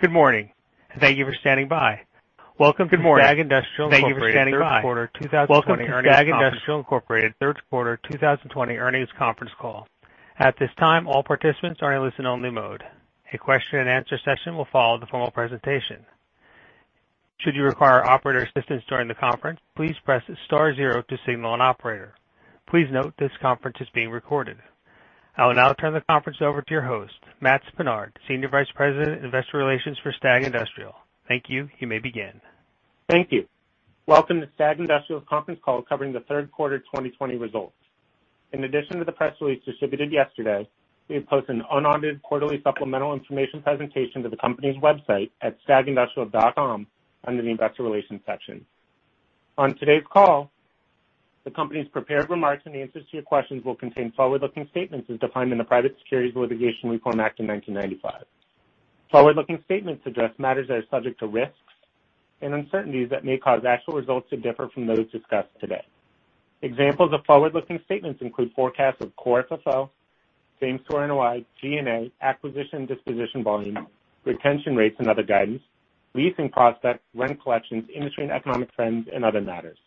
Good morning. Thank you for standing by. Welcome to STAG Industrial Incorporated third quarter 2020 earnings conference call. At this time, all participants are in listen only mode. A question and answer session will follow the formal presentation. Should you require operator assistance during the conference, please press star zero to signal an operator. Please note this conference is being recorded. I will now turn the conference over to your host, Matts Pinard, Senior Vice President, Investor Relations for STAG Industrial. Thank you. You may begin. Thank you. Welcome to STAG Industrial's conference call covering the third quarter 2020 results. In addition to the press release distributed yesterday, we have posted an unaudited quarterly supplemental information presentation to the company's website at stagindustrial.com under the Investor Relations section. On today's call, the company's prepared remarks and answers to your questions will contain forward-looking statements as defined in the Private Securities Litigation Reform Act of 1995. Forward-looking statements address matters that are subject to risks and uncertainties that may cause actual results to differ from those discussed today. Examples of forward-looking statements include forecasts of core FFO, same-store NOI, G&A, acquisition disposition volume, retention rates and other guidance, leasing prospects, rent collections, industry and economic trends, and other matters.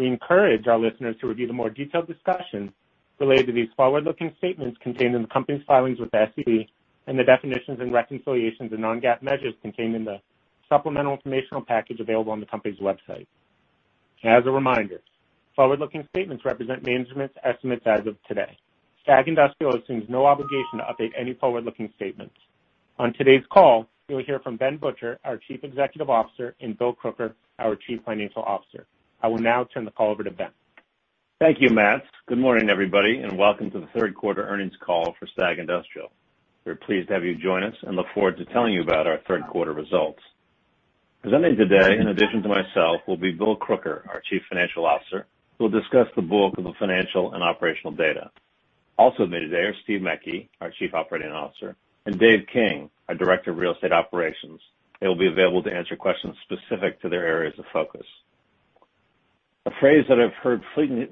We encourage our listeners to review the more detailed discussions related to these forward-looking statements contained in the company's filings with the SEC and the definitions and reconciliations of non-GAAP measures contained in the supplemental informational package available on the company's website. As a reminder, forward-looking statements represent management's estimates as of today. STAG Industrial assumes no obligation to update any forward-looking statements. On today's call, you'll hear from Ben Butcher, our Chief Executive Officer, and Bill Crooker, our Chief Financial Officer. I will now turn the call over to Ben. Thank you, Matt. Good morning, everybody, and welcome to the third quarter earnings call for STAG Industrial. We're pleased to have you join us and look forward to telling you about our third quarter results. Presenting today, in addition to myself, will be Bill Crooker, our Chief Financial Officer, who will discuss the bulk of the financial and operational data. Also with me today are Steve Mecke, our Chief Operating Officer, and Dave King, our Director of Real Estate Operations. They will be available to answer questions specific to their areas of focus. A phrase that I've heard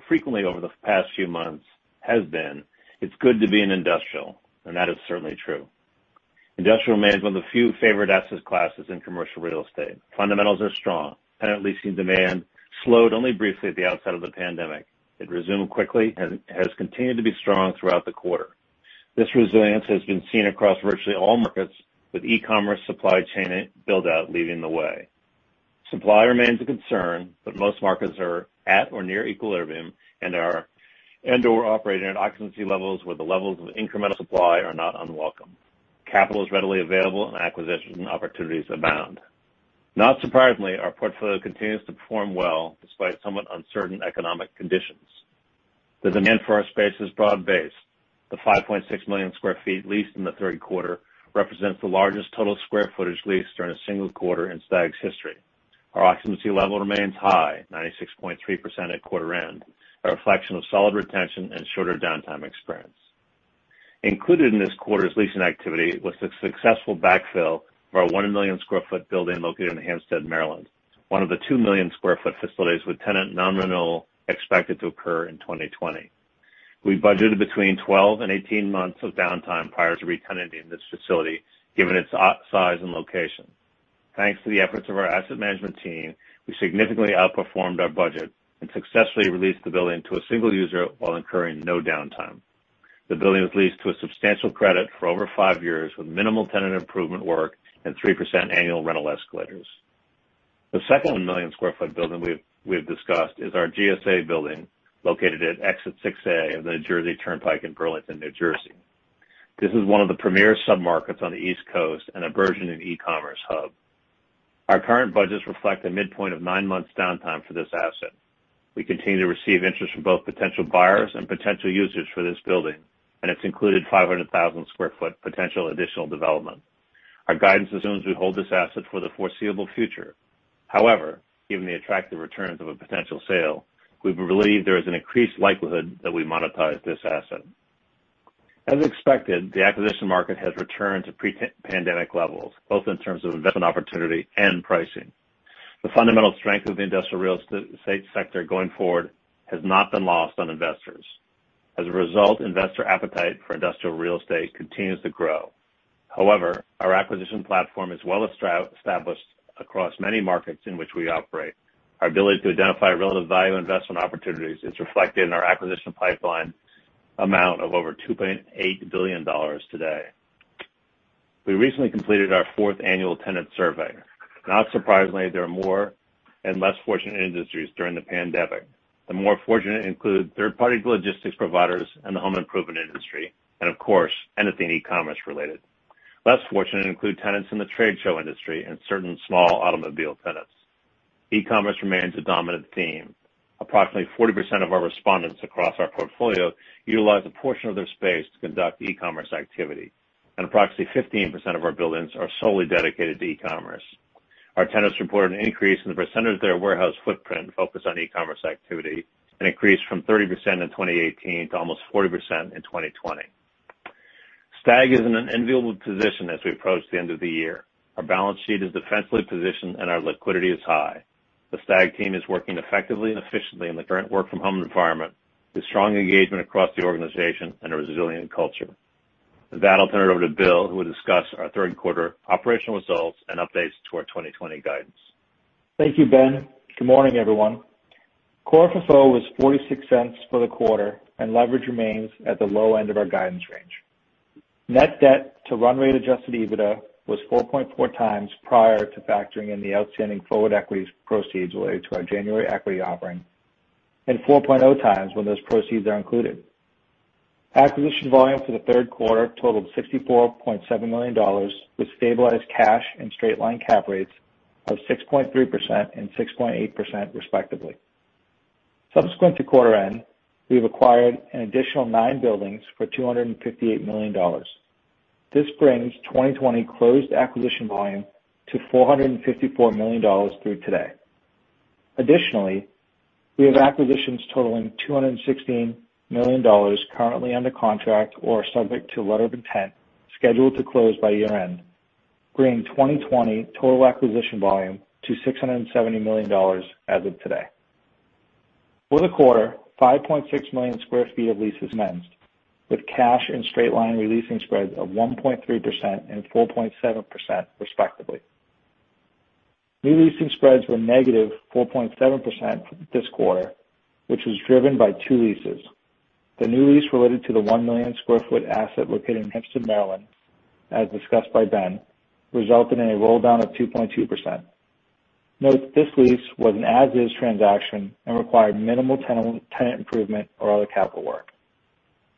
frequently over the past few months has been, "It's good to be in industrial," and that is certainly true. Industrial remains one of the few favored asset classes in commercial real estate. Fundamentals are strong. Tenant leasing demand slowed only briefly at the outset of the pandemic. It resumed quickly and has continued to be strong throughout the quarter. This resilience has been seen across virtually all markets, with e-commerce supply chain build-out leading the way. Supply remains a concern, but most markets are at or near equilibrium and/or operating at occupancy levels where the levels of incremental supply are not unwelcome. Capital is readily available, and acquisition opportunities abound. Not surprisingly, our portfolio continues to perform well despite somewhat uncertain economic conditions. Demand for our space is broad-based. The 5.6 million sq ft leased in the third quarter represents the largest total square footage leased during a single quarter in STAG's history. Our occupancy level remains high, 96.3% at quarter end, a reflection of solid retention and shorter downtime experience. Included in this quarter's leasing activity was the successful backfill of our 1 million square foot building located in Hampstead, Maryland, one of the 2 million square foot facilities with tenant non-renewal expected to occur in 2020. We budgeted between 12 and 18 months of downtime prior to re-tenanting this facility, given its size and location. Thanks to the efforts of our asset management team, we significantly outperformed our budget and successfully released the building to a single user while incurring no downtime. The building was leased to a substantial credit for over five years with minimal tenant improvement work and 3% annual rental escalators. The second million square foot building we've discussed is our GSA building located at Exit 6a of the New Jersey Turnpike in Burlington, New Jersey. This is one of the premier submarkets on the East Coast and a burgeoning e-commerce hub. Our current budgets reflect a midpoint of nine months downtime for this asset. We continue to receive interest from both potential buyers and potential users for this building, and its included 500,000 sq ft potential additional development. Our guidance assumes we hold this asset for the foreseeable future. However, given the attractive returns of a potential sale, we believe there is an increased likelihood that we monetize this asset. As expected, the acquisition market has returned to pre-pandemic levels, both in terms of investment opportunity and pricing. The fundamental strength of the industrial real estate sector going forward has not been lost on investors. As a result, investor appetite for industrial real estate continues to grow. However, our acquisition platform is well established across many markets in which we operate. Our ability to identify relative value investment opportunities is reflected in our acquisition pipeline amount of over $2.8 billion today. We recently completed our fourth annual tenant survey. Not surprisingly, there are more and less fortunate industries during the pandemic. The more fortunate include third-party logistics providers and the home improvement industry, and of course, anything e-commerce related. Less fortunate include tenants in the trade show industry and certain small automobile tenants. E-commerce remains a dominant theme. Approximately 40% of our respondents across our portfolio utilize a portion of their space to conduct e-commerce activity, and approximately 15% of our buildings are solely dedicated to e-commerce. Our tenants report an increase in the percentage of their warehouse footprint focused on e-commerce activity, an increase from 30% in 2018 to almost 40% in 2020. STAG is in an enviable position as we approach the end of the year. Our balance sheet is defensively positioned, and our liquidity is high. The STAG team is working effectively and efficiently in the current work from home environment, with strong engagement across the organization and a resilient culture. With that, I'll turn it over to Bill, who will discuss our third quarter operational results and updates to our 2020 guidance. Thank you, Ben. Good morning, everyone. Core FFO was $0.46 for the quarter, and leverage remains at the low end of our guidance range. Net debt to run rate adjusted EBITDA was 4.4x prior to factoring in the outstanding forward equity proceeds related to our January equity offering, and 4.0x when those proceeds are included. Acquisition volume for the third quarter totaled $64.7 million, with stabilized cash and straight-line cap rates of 6.3% and 6.8% respectively. Subsequent to quarter end, we have acquired an additional nine buildings for $258 million. This brings 2020 closed acquisition volume to $454 million through today. Additionally, we have acquisitions totaling $216 million currently under contract or subject to letter of intent scheduled to close by year-end, bringing 2020 total acquisition volume to $670 million as of today. For the quarter, 5.6 million square feet of leases commenced, with cash and straight line re-leasing spreads of 1.3% and 4.7% respectively. New leasing spreads were -4.7% this quarter, which was driven by two leases. The new lease related to the 1 million square foot asset located in Hampstead, Maryland, as discussed by Ben, resulted in a roll down of 2.2%. Note that this lease was an as is transaction and required minimal tenant improvement or other capital work.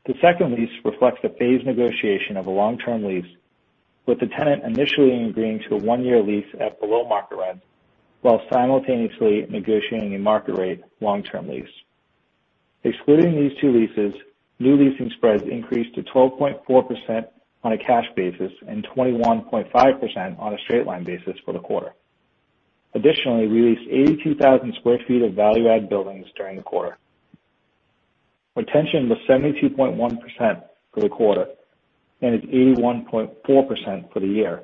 The second lease reflects a phased negotiation of a long-term lease, with the tenant initially agreeing to a one-year lease at below market rent while simultaneously negotiating a market rate long-term lease. Excluding these two leases, new leasing spreads increased to 12.4% on a cash basis and 21.5% on a straight line basis for the quarter. Additionally, we leased 82,000 sq ft of value add buildings during the quarter. Retention was 72.1% for the quarter and is 81.4% for the year,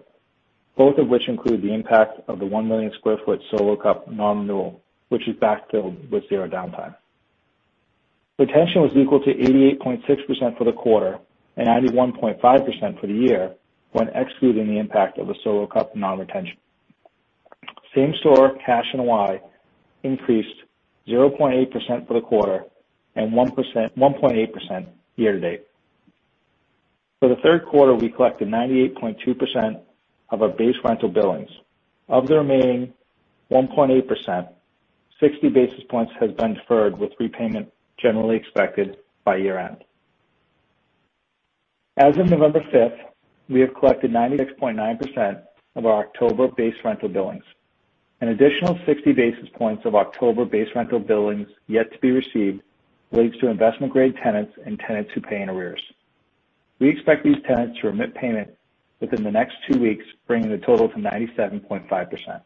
both of which include the impact of the 1 million square foot Solo Cup non-renewal, which is backfilled with zero downtime. Retention was equal to 88.6% for the quarter and 91.5% for the year when excluding the impact of the Solo Cup non-retention. Same store cash NOI increased 0.8% for the quarter and 1.8% year-to-date. For the third quarter, we collected 98.2% of our base rental billings. Of the remaining 1.8%, 60 basis points has been deferred with repayment generally expected by year-end. As of November 5th, we have collected 96.9% of our October base rental billings. An additional 60 basis points of October base rental billings yet to be received relates to investment-grade tenants and tenants who pay in arrears. We expect these tenants to remit payment within the next two weeks, bringing the total to 97.5%.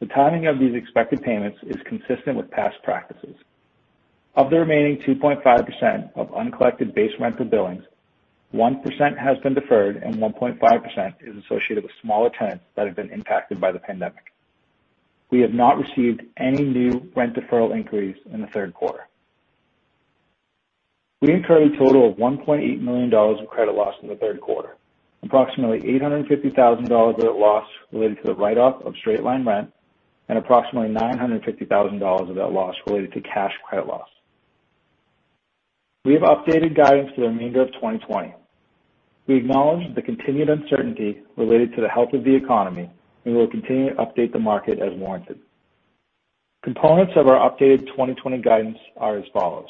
The timing of these expected payments is consistent with past practices. Of the remaining 2.5% of uncollected base rental billings, 1% has been deferred and 1.5% is associated with smaller tenants that have been impacted by the pandemic. We have not received any new rent deferral inquiries in the third quarter. We incurred a total of $1.8 million in credit loss in the third quarter. Approximately $850,000 of that loss related to the write-off of straight-line rent, and approximately $950,000 of that loss related to cash credit loss. We have updated guidance for the remainder of 2020. We acknowledge the continued uncertainty related to the health of the economy and will continue to update the market as warranted. Components of our updated 2020 guidance are as follows.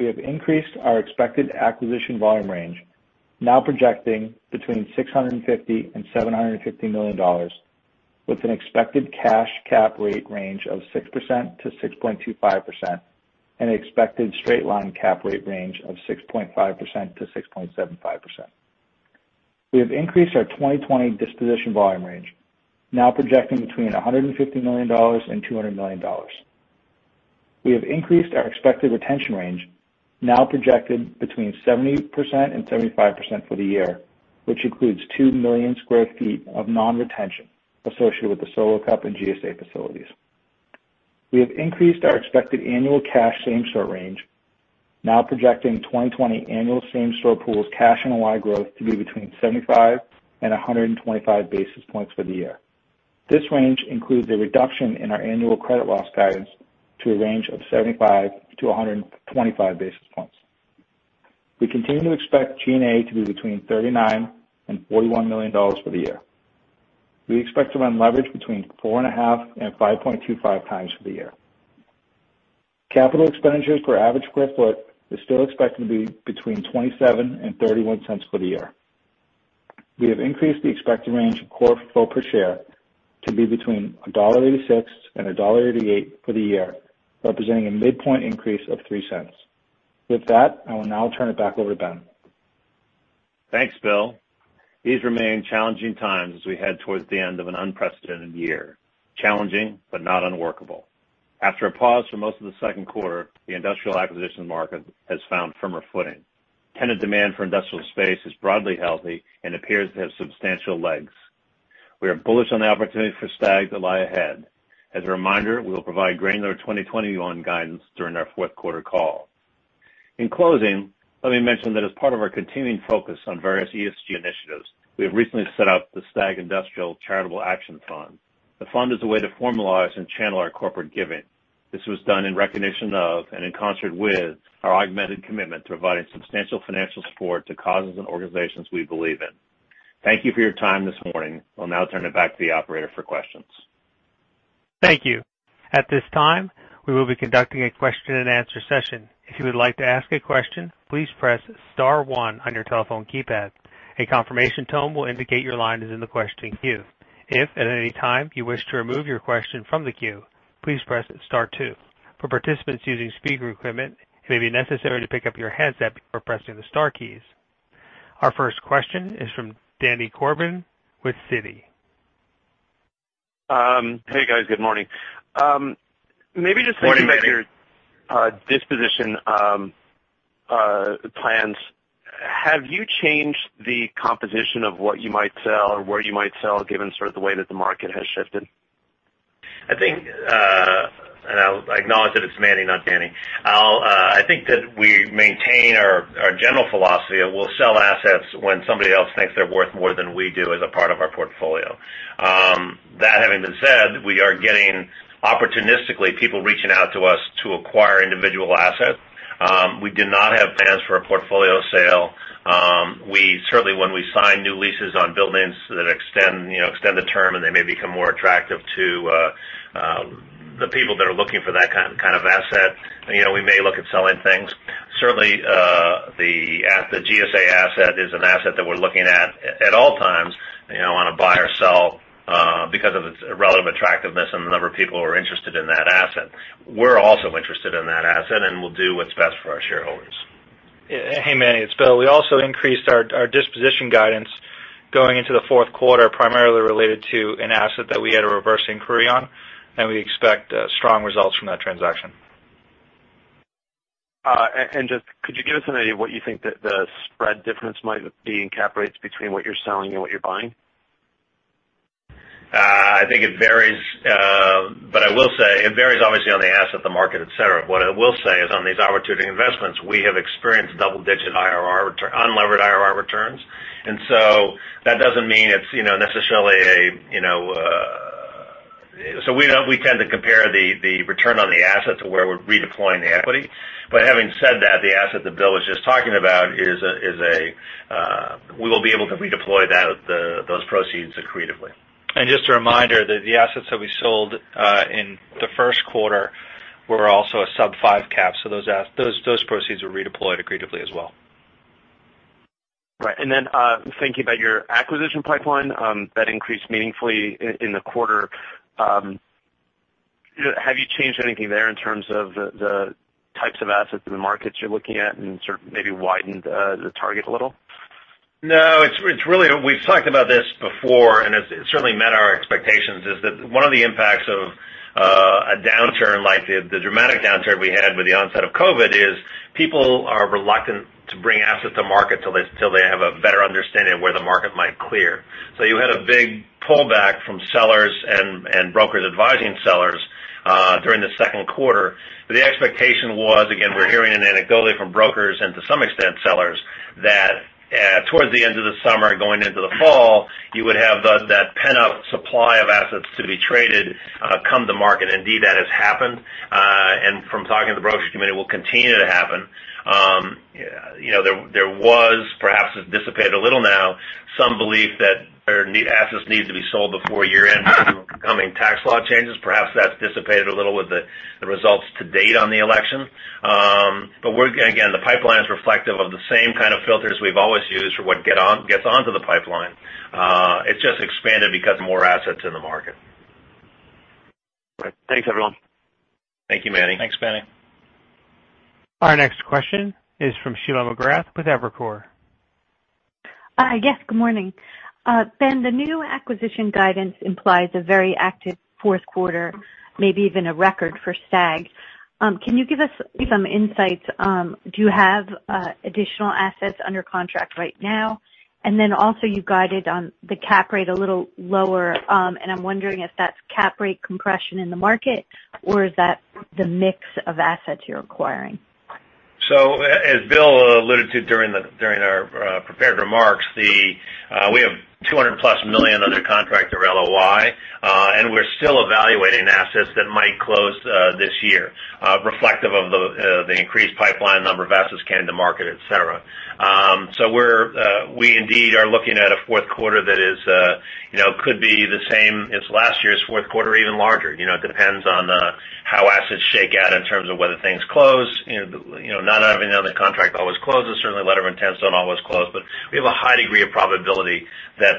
We have increased our expected acquisition volume range, now projecting between $650 million and $750 million with an expected cash cap rate range of 6%-6.25% and expected straight-line cap rate range of 6.5%-6.75%. We have increased our 2020 disposition volume range, now projecting between $150 million and $200 million. We have increased our expected retention range, now projected between 70% and 75% for the year, which includes 2 million square feet of non-retention associated with the Solo Cup and GSA facilities. We have increased our expected annual cash same store range, now projecting 2020 annual same store pool's cash NOI growth to be between 75 and 125 basis points for the year. This range includes a reduction in our annual credit loss guidance to a range of 75-125 basis points. We continue to expect G&A to be between $39 million and $41 million for the year. We expect to run leverage between 4.5 and 5.25x for the year. Capital expenditures per average square foot is still expected to be between $0.27 and $0.31 for the year. We have increased the expected range of core FFO per share to be between $1.86 and $1.88 for the year, representing a midpoint increase of $0.03. With that, I will now turn it back over to Ben. Thanks, Bill. These remain challenging times as we head towards the end of an unprecedented year. Challenging, but not unworkable. After a pause for most of the second quarter, the industrial acquisition market has found firmer footing. Tenant demand for industrial space is broadly healthy and appears to have substantial legs. We are bullish on the opportunity for STAG to lie ahead. As a reminder, we will provide granular 2021 guidance during our fourth quarter call. In closing, let me mention that as part of our continuing focus on various ESG initiatives, we have recently set up the STAG Industrial Charitable Action Fund. The fund is a way to formalize and channel our corporate giving. This was done in recognition of, and in concert with, our augmented commitment to providing substantial financial support to causes and organizations we believe in. Thank you for your time this morning. I'll now turn it back to the operator for questions. Thank you. At this time, we will be conducting a question and answer session. If you would like to ask a question, please press star one on your telephone keypad. A confirmation tone will indicate your line is in the questioning queue. If at any time you wish to remove your question from the queue, please press star two. For participants using speaker equipment, it may be necessary to pick up your headset before pressing the star keys. Our first question is from Manny Korchman with Citi. Hey, guys. Good morning. Morning, Manny. About your disposition plans. Have you changed the composition of what you might sell or where you might sell, given sort of the way that the market has shifted? I think, and I'll acknowledge that it's Manny, not Danny. I think that we maintain our general philosophy of we'll sell assets when somebody else thinks they're worth more than we do as a part of our portfolio. That having been said, we are getting opportunistically people reaching out to us to acquire individual assets. We do not have plans for a portfolio sale. Certainly, when we sign new leases on buildings that extend the term, and they may become more attractive to the people that are looking for that kind of asset, we may look at selling things. Certainly, the GSA asset is an asset that we're looking at at all times on a buy or sell because of its relative attractiveness and the number of people who are interested in that asset. We're also interested in that asset, and we'll do what's best for our shareholders. Hey, Manny, it's Bill. We also increased our disposition guidance going into the fourth quarter, primarily related to an asset that we had a reverse inquiry on, and we expect strong results from that transaction. Just could you give us an idea of what you think that the spread difference might be in cap rates between what you're selling and what you're buying? I think it varies, but I will say it varies obviously on the asset, the market, et cetera. What I will say is on these opportunity investments, we have experienced double-digit IRR return, unlevered IRR returns. That doesn't mean we tend to compare the return on the asset to where we're redeploying the equity. Having said that, the asset that Bill was just talking about, we will be able to redeploy those proceeds accretively. Just a reminder that the assets that we sold in the first quarter were also a sub five cap. Those proceeds were redeployed accretively as well. Right. Thinking about your acquisition pipeline that increased meaningfully in the quarter, have you changed anything there in terms of the types of assets in the markets you're looking at and sort of maybe widened the target a little? No, we've talked about this before, and it certainly met our expectations, is that one of the impacts of a downturn like the dramatic downturn we had with the onset of COVID is people are reluctant to bring assets to market till they have a better understanding of where the market might clear. You had a big pullback from sellers and brokers advising sellers during the second quarter. The expectation was, again, we're hearing anecdotally from brokers and to some extent sellers that towards the end of the summer going into the fall, you would have that pent-up supply of assets to be traded come to market. Indeed, that has happened. From talking to the brokers, it may well continue to happen. There was perhaps it's dissipated a little now, some belief that assets need to be sold before year-end due to upcoming tax law changes. Perhaps that's dissipated a little with the results to date on the election. Again, the pipeline is reflective of the same kind of filters we've always used for what gets onto the pipeline. It's just expanded because of more assets in the market. Right. Thanks, everyone. Thank you, Manny. Thanks, Manny. Our next question is from Sheila McGrath with Evercore. Yes, good morning. Ben, the new acquisition guidance implies a very active fourth quarter, maybe even a record for STAG. Can you give us some insights? Do you have additional assets under contract right now? Then also you guided on the cap rate a little lower. I'm wondering if that's cap rate compression in the market or is that the mix of assets you're acquiring? As Bill alluded to during our prepared remarks, we have $200 million-plus under contract or LOI. We're still evaluating assets that might close this year reflective of the increased pipeline number of assets coming to market, et cetera. We indeed are looking at a fourth quarter that could be the same as last year's fourth quarter or even larger. It depends on how assets shake out in terms of whether things close. Not everything on the contract always closes. Certainly, letter of intents don't always close, but we have a high degree of probability that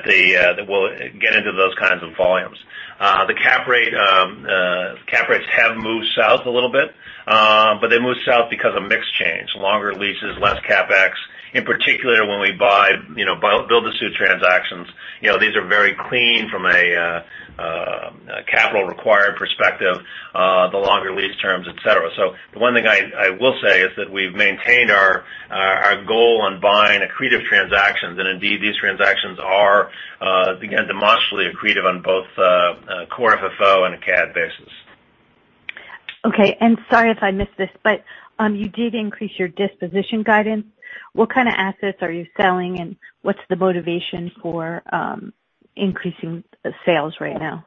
we'll get into those kinds of volumes. The cap rates have moved south a little bit. They moved south because of mix change, longer leases, less CapEx. In particular, when we buy build-to-suit transactions, these are very clean from a capital required perspective, the longer lease terms, et cetera. The one thing I will say is that we've maintained our goal on buying accretive transactions. Indeed, these transactions are again, demonstrably accretive on both core FFO and a CAD basis. Okay. Sorry if I missed this, but you did increase your disposition guidance. What kind of assets are you selling, and what's the motivation for increasing sales right now?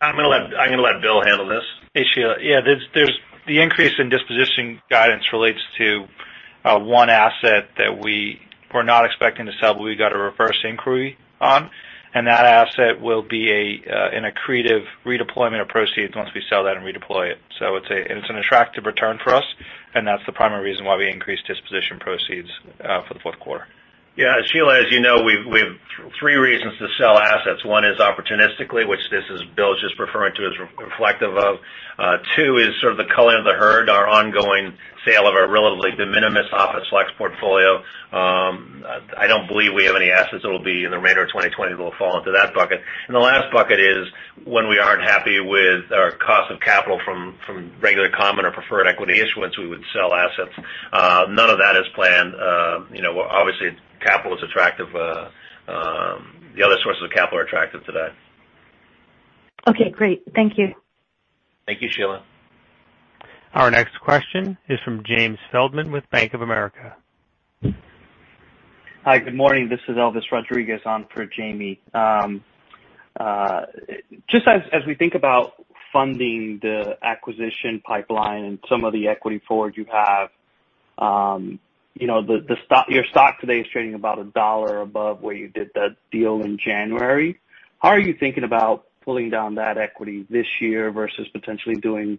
I'm going to let Bill handle this. Hey, Sheila. Yeah, the increase in disposition guidance relates to one asset that we were not expecting to sell, but we got a reverse inquiry on, and that asset will be an accretive redeployment of proceeds once we sell that and redeploy it. It's an attractive return for us, and that's the primary reason why we increased disposition proceeds for the fourth quarter. Yeah. Sheila, as you know, we have three reasons to sell assets. One is opportunistically, which Bill's just referring to as reflective of. Two is sort of the culling of the herd, our ongoing sale of our relatively de minimis office flex portfolio. I don't believe we have any assets that will be in the remainder of 2020 that will fall into that bucket. The last bucket is when we aren't happy with our cost of capital from regular common or preferred equity issuance, we would sell assets. None of that is planned. Obviously, capital is attractive. The other sources of capital are attractive today. Okay, great. Thank you. Thank you, Sheila. Our next question is from James Feldman with Bank of America. Hi, good morning. This is Elvis Rodriguez on for Jamie. As we think about funding the acquisition pipeline and some of the equity forward you have, your stock today is trading about $1 above where you did that deal in January. How are you thinking about pulling down that equity this year versus potentially doing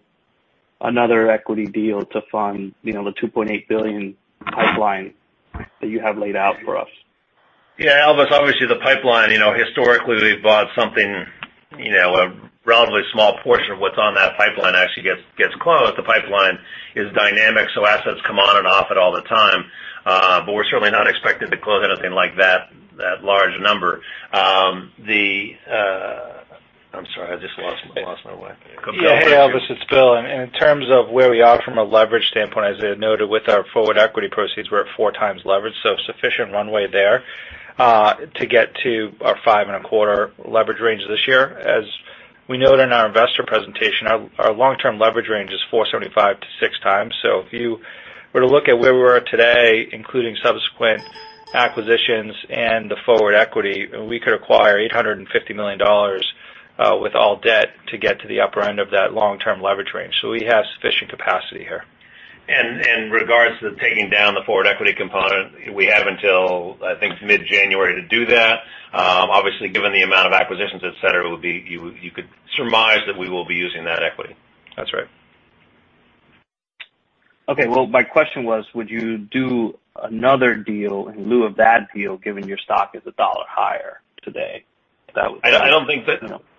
another equity deal to fund the $2.8 billion pipeline that you have laid out for us? Yeah. Elvis, obviously the pipeline, historically, we've bought something, a relatively small portion of what's on that pipeline actually gets closed. The pipeline is dynamic, assets come on and off it all the time. We're certainly not expecting to close anything like that large number. I'm sorry, I just lost my way. Yeah. Hey, Elvis, it's Bill. In terms of where we are from a leverage standpoint, as I noted with our forward equity proceeds, we're at four times leverage, so sufficient runway there to get to our five and a quarter leverage range this year. As we noted in our investor presentation, our long-term leverage range is 4.75-6x. If you were to look at where we are today, including subsequent acquisitions and the forward equity, we could acquire $850 million with all debt to get to the upper end of that long-term leverage range. We have sufficient capacity here. In regards to taking down the forward equity component, we have until, I think, mid-January to do that. Obviously, given the amount of acquisitions, et cetera, you could surmise that we will be using that equity. That's right. Okay. Well, my question was, would you do another deal in lieu of that deal, given your stock is a dollar higher today?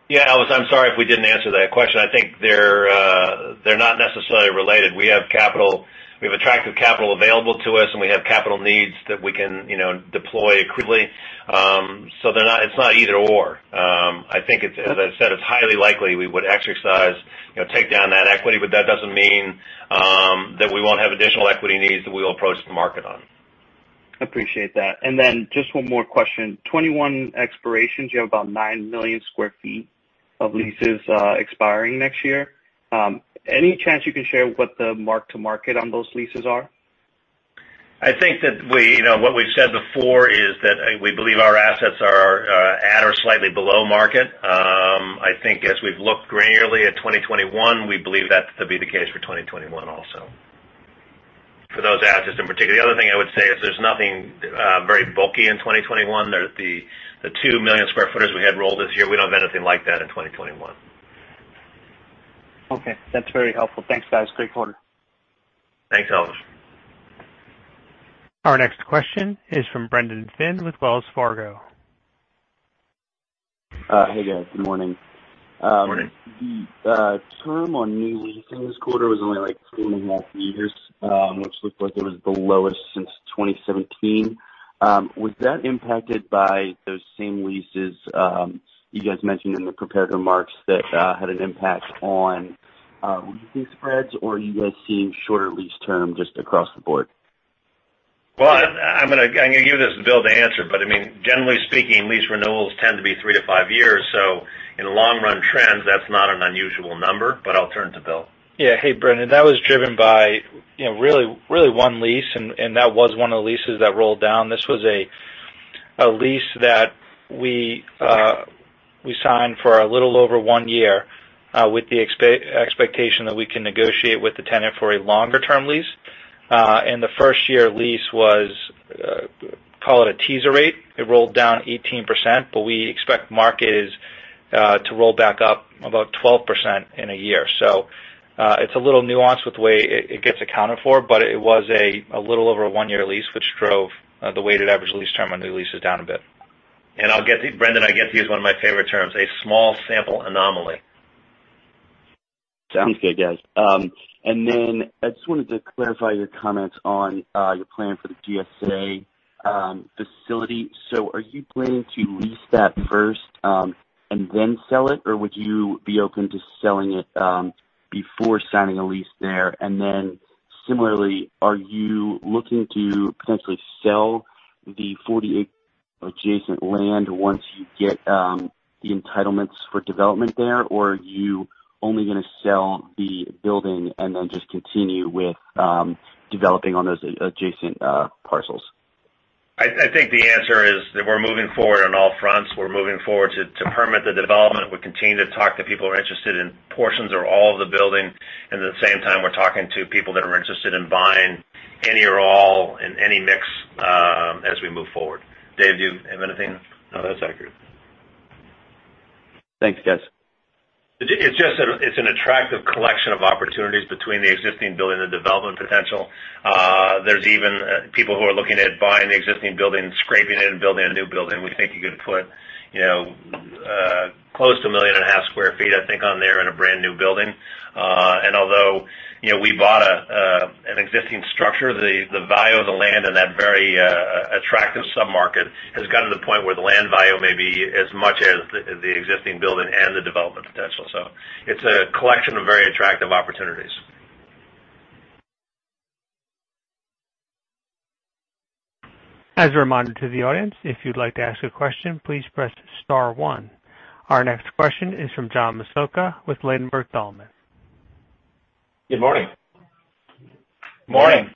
Yeah, Elvis, I'm sorry if we didn't answer that question. I think they're not necessarily related. We have attractive capital available to us, and we have capital needs that we can deploy accretively. It's not either/or. I think, as I said, it's highly likely we would exercise, take down that equity, but that doesn't mean that we won't have additional equity needs that we will approach the market on. Appreciate that. Just one more question. 2021 expirations, you have about 9 million square feet of leases expiring next year. Any chance you can share what the mark-to-market on those leases are? I think that what we've said before is that we believe our assets are at or slightly below market. I think as we've looked granularly at 2021, we believe that to be the case for 2021 also, for those assets in particular. The other thing I would say is there's nothing very bulky in 2021. The 2 million square footers we had rolled this year, we don't have anything like that in 2021. Okay. That's very helpful. Thanks, guys. Great quarter. Thanks, Elvis. Our next question is from Brendan Finn with Wells Fargo. Hey, guys. Good morning. Morning. The term on new leasing this quarter was only like two and a half years, which looked like it was the lowest since 2017. Was that impacted by those same leases you guys mentioned in the prepared remarks that had an impact on leasing spreads, or are you guys seeing shorter lease term just across the board? I'm going to give this to Bill to answer, but I mean, generally speaking, lease renewals tend to be three to five years. In the long run trends, that's not an unusual number, but I'll turn to Bill. Hey, Brendan, that was driven by really one lease, and that was one of the leases that rolled down. This was a lease that we signed for a little over one year with the expectation that we can negotiate with the tenant for a longer-term lease. The first-year lease was, call it a teaser rate. It rolled down 18%, but we expect market is to roll back up about 12% in a year. It's a little nuanced with the way it gets accounted for, but it was a little over a one-year lease, which drove the weighted average lease term on new leases down a bit. Brendan, I get to use one of my favorite terms, a small sample anomaly. Sounds good, guys. I just wanted to clarify your comments on your plan for the GSA facility. Are you planning to lease that first, and then sell it or would you be open to selling it before signing a lease there? Similarly, are you looking to potentially sell the 48 acres of adjacent land once you get the entitlements for development there or are you only going to sell the building and then just continue with developing on those adjacent parcels? I think the answer is that we're moving forward on all fronts. We're moving forward to permit the development. We continue to talk to people who are interested in portions or all of the building, and at the same time, we're talking to people that are interested in buying any or all in any mix as we move forward. Dave, do you have anything? No, that's accurate. Thanks, guys. It's an attractive collection of opportunities between the existing building and development potential. There's even people who are looking at buying the existing building, scraping it, and building a new building. We think you could put close to a 1.5 million square feet, I think, on there in a brand-new building. Although we bought an existing structure, the value of the land in that very attractive sub-market has gotten to the point where the land value may be as much as the existing building and the development potential. It's a collection of very attractive opportunities. As a reminder to the audience, if you'd like to ask a question, please press star one. Our next question is from John Massocca with Ladenburg Thalmann. Good morning. Morning.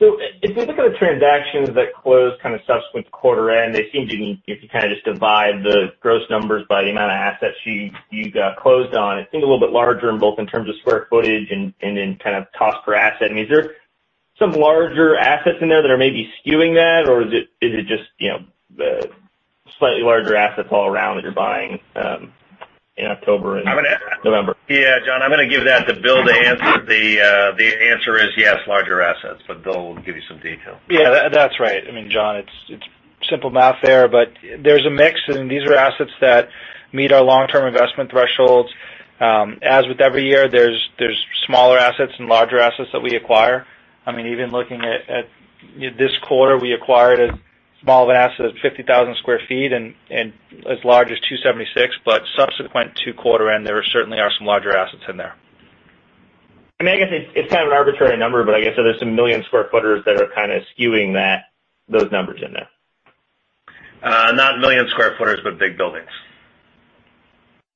If you look at the transactions that closed kind of subsequent to quarter end, if you kind of just divide the gross numbers by the amount of assets you got closed on, it seemed a little bit larger in both in terms of square footage and in kind of cost per asset. I mean, is there some larger assets in there that are maybe skewing that? Or is it just the slightly larger assets all around that you’re buying in October and November? Yeah, John, I'm going to give that to Bill to answer. The answer is yes, larger assets, but Bill will give you some detail. Yeah, that's right. I mean, John, it's simple math there, but there's a mix, and these are assets that meet our long-term investment thresholds. As with every year, there's smaller assets and larger assets that we acquire. I mean, even looking at this quarter, we acquired as small of an asset as 50,000 sq ft and as large as 276. Subsequent to quarter end, there certainly are some larger assets in there. I mean, I guess it's kind of an arbitrary number, but I guess there's some million-square footers that are kind of skewing those numbers in there. Not million-square footers, but big buildings.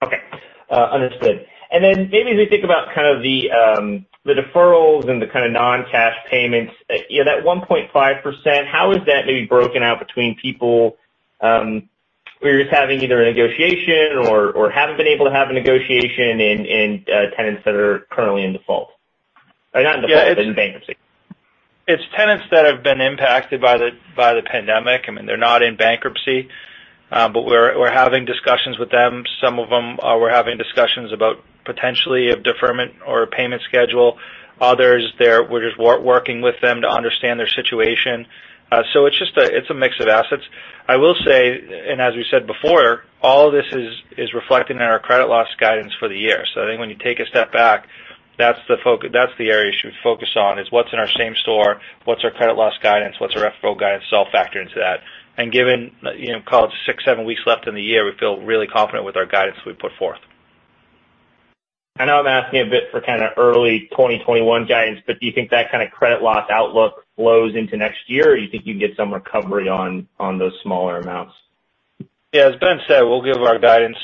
Okay. Understood. maybe as we think about kind of the deferrals and the kind of non-cash payments, that 1.5%, how is that maybe broken out between people who are just having either a negotiation or haven't been able to have a negotiation and tenants that are currently in default? not in default, in bankruptcy. It's tenants that have been impacted by the pandemic. I mean, they're not in bankruptcy, but we're having discussions with them. Some of them we're having discussions about potentially a deferment or a payment schedule. Others we're just working with them to understand their situation. It's a mix of assets. I will say, and as we said before, all this is reflected in our credit loss guidance for the year. I think when you take a step back, that's the area you should focus on, is what's in our same store, what's our credit loss guidance, what's our FFO guidance all factor into that. Given call it six, seven weeks left in the year, we feel really confident with our guidance we put forth. I know I'm asking a bit for kind of early 2021 guidance, but do you think that kind of credit loss outlook flows into next year, or you think you can get some recovery on those smaller amounts? Yeah. As Ben said, we'll give our guidance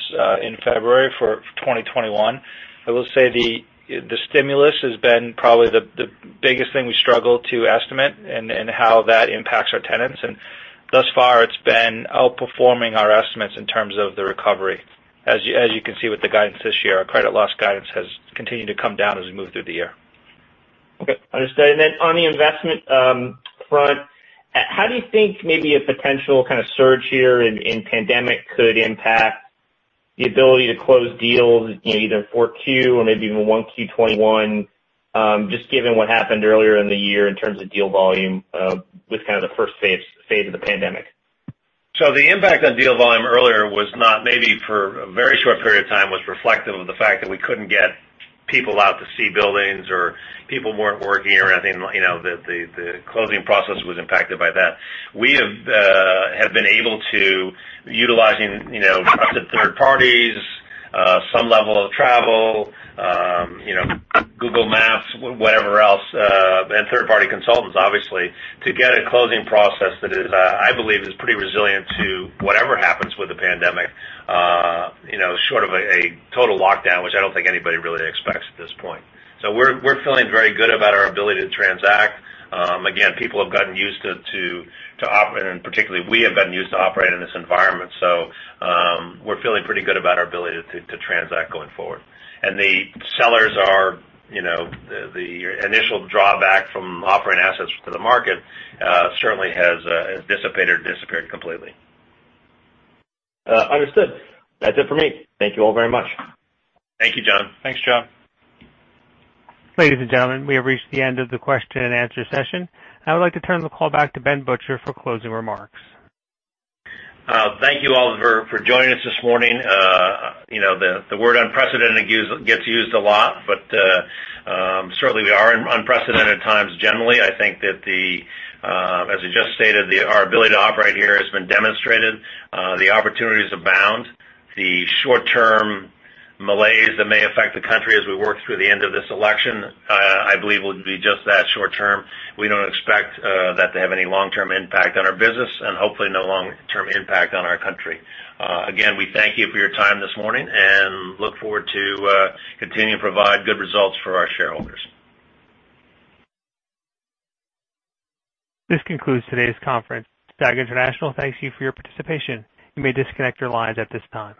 in February for 2021. I will say the stimulus has been probably the biggest thing we struggle to estimate and how that impacts our tenants. Thus far it's been outperforming our estimates in terms of the recovery. As you can see with the guidance this year, our credit loss guidance has continued to come down as we move through the year. Okay. Understood. On the investment front, how do you think maybe a potential kind of surge here in pandemic could impact the ability to close deals either in 4Q or maybe even 1Q 2021, just given what happened earlier in the year in terms of deal volume with kind of the first phase of the pandemic? The impact on deal volume earlier was not maybe for a very short period of time, was reflective of the fact that we couldn't get people out to see buildings or people weren't working or anything. The closing process was impacted by that. We have been able to utilizing third parties, some level of travel, Google Maps, whatever else, and third-party consultants obviously, to get a closing process that I believe is pretty resilient to whatever happens with the pandemic, short of a total lockdown, which I don't think anybody really expects at this point. We're feeling very good about our ability to transact. Again, people have gotten used to operating, and particularly we have gotten used to operating in this environment. We're feeling pretty good about our ability to transact going forward. The initial drawback from offering assets to the market certainly has dissipated or disappeared completely. Understood. That's it for me. Thank you all very much. Thank you, John. Thanks, John. Ladies and gentlemen, we have reached the end of the question and answer session. I would like to turn the call back to Ben Butcher for closing remarks. Thank you all for joining us this morning. The word unprecedented gets used a lot, but certainly we are in unprecedented times generally. I think that as we just stated, our ability to operate here has been demonstrated. The opportunities abound. The short-term malaise that may affect the country as we work through the end of this election, I believe will be just that, short term. We don't expect that to have any long-term impact on our business and hopefully no long-term impact on our country. Again, we thank you for your time this morning and look forward to continuing to provide good results for our shareholders. This concludes today's conference. STAG Industrial thanks you for your participation. You may disconnect your lines at this time.